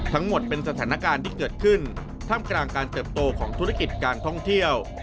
ทั้งหมดเป็นสถานการณ์ที่เกิดขึ้นท่ามกลางการเติบโตของธุรกิจการท่องเที่ยว